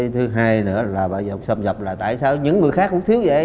thứ hai nữa là bây giờ xâm nhập là tại sao những người khác cũng thiếu vậy